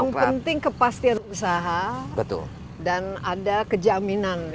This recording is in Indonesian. yang penting kepastian usaha dan ada kejaminan